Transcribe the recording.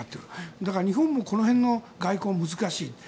だから、日本もこの辺の外交も難しい。